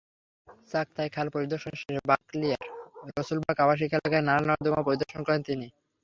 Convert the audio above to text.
চাক্তাই খাল পরিদর্শন শেষে বাকলিয়ার রসুলবাগ আবাসিক এলাকার নালা-নর্দমা পরিদর্শন করেন তিনি।